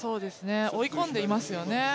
追い込んでいますよね。